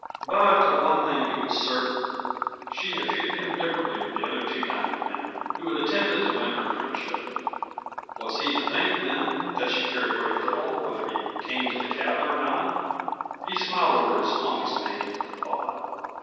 But of one thing he was certain she had treated him differently from the other Two Diamond men who had attempted to win her friendship. Was he to think then that she cared very little whether he came to the cabin or not? He smiled over his pony's mane at the thought.